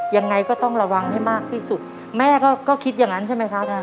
ยังไงก็ต้องระวังให้มากที่สุดแม่ก็คิดอย่างนั้นใช่ไหมครับ